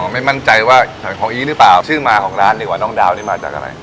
ไม่มั่นใจว่าขายของอีหรือเปล่าชื่อมาของร้านดีกว่าน้องดาวนี่มาจากอะไร